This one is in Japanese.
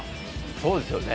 そうですよね。